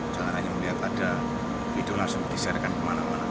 jangan hanya melihat ada video langsung disiarkan kemana mana